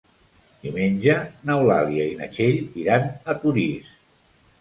Diumenge n'Eulàlia i na Txell iran a Torís.